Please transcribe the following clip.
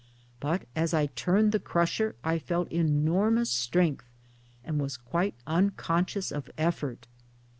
But as I turned the crusher I felt enormous strength, and was quite unconscious of effort."